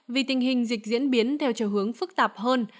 vì tình hình dịch diễn biến theo trở hướng phức tạp hơn